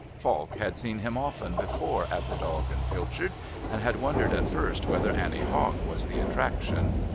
Falk had seen him often before at the "Dog and Pilchard," and had wondered at first whether Annie Hogg was the attraction.